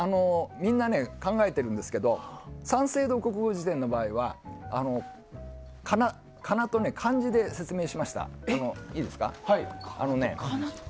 みんな考えてるんですけど「三省堂国語辞典」の場合はひらがなと漢字で説明しました。